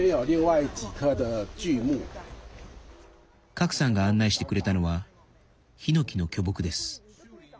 郭さんが案内してくれたのはヒノキの巨木です。